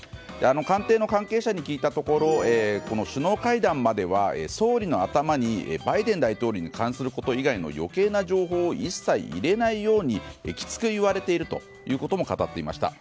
官邸の関係者に聞いたところ首脳会談までは総理の頭にバイデン大統領に関すること以外の余計な情報を一切入れないようにきつく言われているということも語っていました。